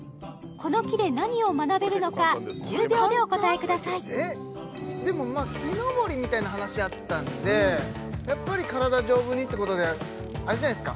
この木で何を学べるのか１０秒でお答えくださいでもまあ木登りみたいな話あったんでやっぱり体丈夫にってことであれじゃないですか